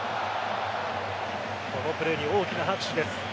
このプレーに大きな拍手です。